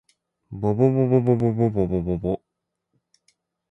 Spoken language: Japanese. ぼぼぼぼぼぼぼぼぼぼ